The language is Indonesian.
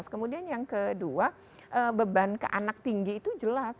kemudian yang kedua beban ke anak tinggi itu jelas